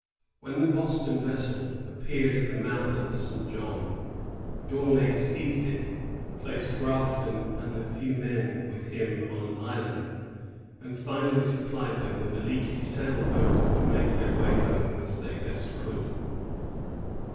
When the Boston vessel appeared at the mouth of the St. John, D'Aunay seized it, 1846.] FOET ST. JEAN ATTACKED. 89 placed Grafton and the few men with him on an island, and finally supplied them with a leaky sail boat to make their way home as they best could.